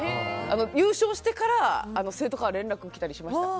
優勝してから生徒から連絡来たりしました。